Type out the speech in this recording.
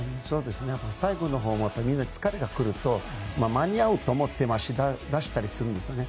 最後のほうはみんな疲れがくると間に合うと思って足を出したりするんですよね。